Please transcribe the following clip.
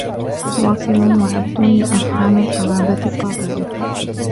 وَاصِلٌ وَعَبْدٌ لِأَرْحَامِ الْقَرَابَةِ قَاطِعُ